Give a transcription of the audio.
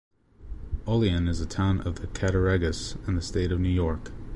Olian is a town of the Cattaraugus, in the state of New York.